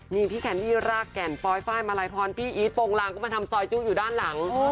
นี่พี่แคนดี้รากแก่นปลอยไฟล์มาลัยพรพี่อีทโปรงลางก็มาทำซอยจู้อยู่ด้านหลัง